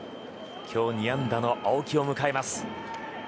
今日、２安打の青木を迎えます。